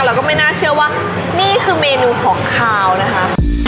แล้วก็ไม่น่าเชื่อว่านี่คือเมนูของขาวนะคะ